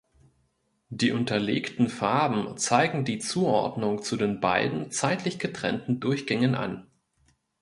Die unterlegten Farben zeigen die Zuordnung zu den beiden zeitlich getrennten Durchgängen an.